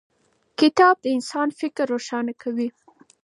کتاب د انسان فکر روښانه کوي.